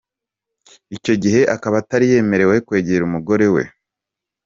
Icyo gihe akaba Atari yemerewe kwegera umugore we.